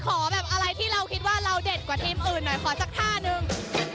ขอแบบอะไรที่เราคิดว่าเราเด็ดกว่าทีมอื่นหน่อยขอสักท่านึง